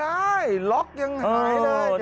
โอ้โหไม่ได้ล็อกยังหายเลย